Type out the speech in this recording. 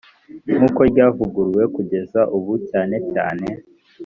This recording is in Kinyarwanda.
nk uko ryavuguruwe kugeza ubu cyane cyane